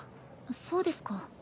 そうですか。